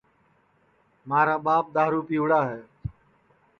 مھارا ٻاپ دؔارو پیوڑ ہے